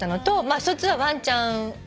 まあ一つはワンちゃん。